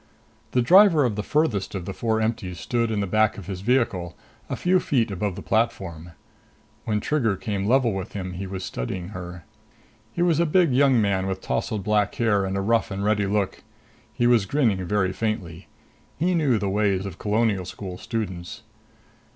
The driver of the farthest of the four empties stood in the back of his vehicle, a few feet above the platform. When Trigger came level with him, he was studying her. He was a big young man with tousled black hair and a rough and ready look. He was grinning very faintly. He knew the ways of Colonial School students.